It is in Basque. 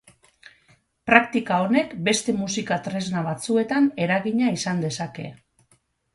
Praktika honek, beste musika tresna batzuetan eragina izan dezake.